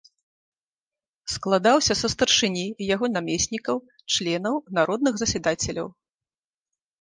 Складаўся са старшыні, яго намеснікаў, членаў, народных засядацеляў.